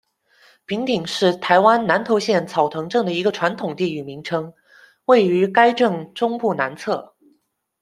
坪顶是台湾南投县草屯镇的一个传统地域名称，位于该镇中部南侧。